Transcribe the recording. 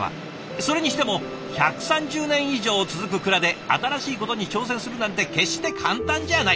それにしても１３０年以上続く蔵で新しいことに挑戦するなんて決して簡単じゃない。